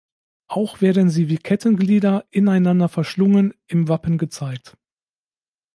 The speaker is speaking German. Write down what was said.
Auch werden sie wie Kettenglieder "ineinander verschlungen" im Wappen gezeigt.